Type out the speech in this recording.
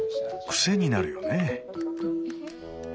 クセになるよね。